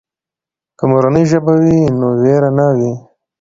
که مورنۍ ژبه وي نو وېره نه وي.